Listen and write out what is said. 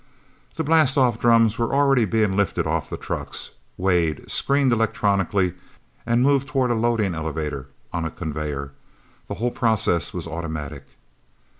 The blastoff drums were already being lifted off the trucks, weighed, screened electronically, and moved toward a loading elevator on a conveyor. The whole process was automatic.